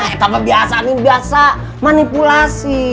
eh kamu biasa min biasa manipulasi